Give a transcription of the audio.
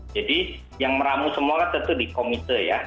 jadi yang meramu semuanya tentu di komite ya